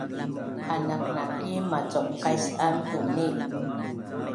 anaknaki macuqais an Puni